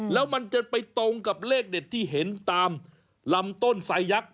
แล้วมันจะไปตรงกับเลขเด็ดที่เห็นตามลำต้นไซยักษ